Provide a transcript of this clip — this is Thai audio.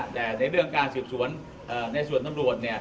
แต่ในเรื่องการสืบสวนในส่วนตำรวจเนี่ย